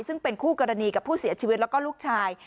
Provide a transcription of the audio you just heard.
ซึ่งเป็นคู่กรณีกับผู้เสียชีวิตแล้วก็ลูกชาย